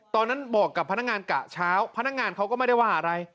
ตอนนั้นบอกกับพนักงานกะเช้าพนักงานเขาก็ไม่ได้ว่าอะไร